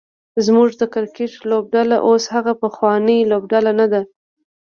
زمونږ د کرکټ لوبډله اوس هغه پخوانۍ لوبډله نده